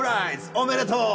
おめでとう！